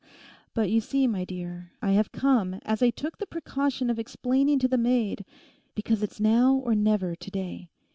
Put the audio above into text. But you see, my dear, I have come, as I took the precaution of explaining to the maid, because it's now or never to day.